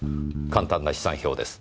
簡単な試算表です。